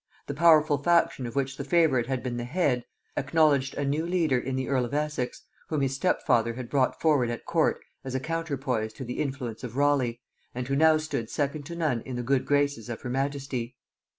The powerful faction of which the favorite had been the head, acknowledged a new leader in the earl of Essex, whom his step father had brought forward at court as a counterpoise to the influence of Raleigh, and who now stood second to none in the good graces of her majesty.